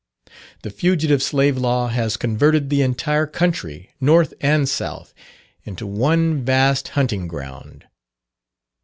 The Fugitive Slave Law has converted the entire country, North and South, into one vast hunting ground.